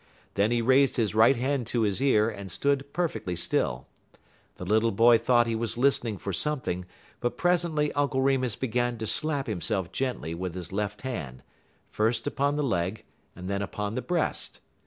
Then he raised his right hand to his ear and stood perfectly still. The little boy thought he was listening for something, but presently Uncle Remus began to slap himself gently with his left hand, first upon the leg and then upon the breast.